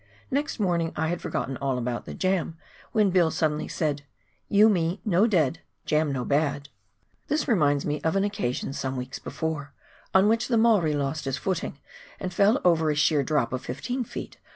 Next morning I had forgotten all about the jam, when Bill suddenly said, " You me no dead, jam no bad !" This reminds me of an occasion, some weeks before, on which the Maori lost his footing and fell over a sheer drop of 15 ft.